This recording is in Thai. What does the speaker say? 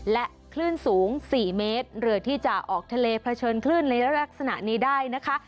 และคลื่นสูง๔เมตรเรือที่จะออกทะเลเผชิญคลื่นในลักษณะนี้ได้นะคะ